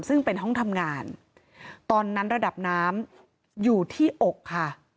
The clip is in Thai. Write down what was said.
ซึ่งเป็นห้องทำงานตอนนั้นระดับน้ำอยู่ที่อกค่ะ